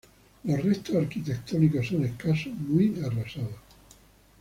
Los restos arquitectónicos son escasos, muy arrasados.